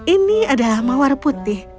ini adalah mawar putih